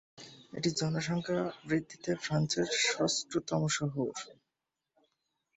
এটি জনসংখ্যার ভিত্তিতে ফ্রান্সের ষষ্ঠ বৃহত্তম শহর।